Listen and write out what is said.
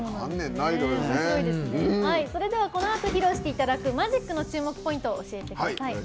このあと披露していただく「Ｍａｇｉｃ」の注目ポイントを教えてください。